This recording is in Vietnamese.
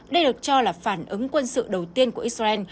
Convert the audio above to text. đây được cho là phản ứng quân sự đầu tiên của israel